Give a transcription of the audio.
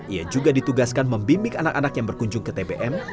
ia juga ditugaskan membimbing anak anak yang berkunjung ke tbm